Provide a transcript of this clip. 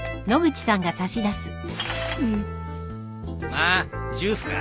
ああジュースか。